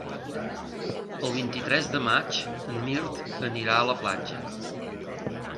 El vint-i-tres de maig en Mirt anirà a la platja.